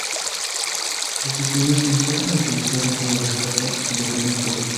Los isleños encierran al policía dentro de la estatua y le prenden fuego.